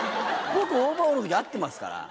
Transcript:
僕オーバーオールの時会ってますから。